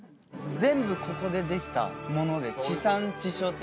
全部ここでできたもので地産地消ってやつですね。